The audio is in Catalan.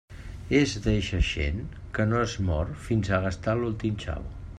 És d'eixa gent que no es mor fins a gastar l'últim xavo.